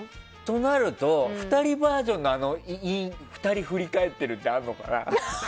となると、２人バージョンの２人振り返ってるってあるのかな。